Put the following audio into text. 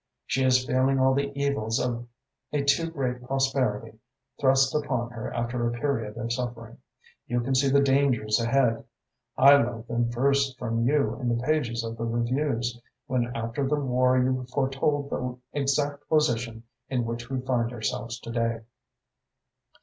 She is feeling all the evils of a too great prosperity, thrust upon her after a period of suffering. You can see the dangers ahead I learnt them first from you in the pages of the reviews, when after the war you foretold the exact position in which we find ourselves to day.